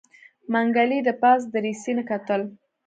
منګلي د پاس دريڅې نه کتل.